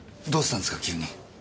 どうしたんですか急に？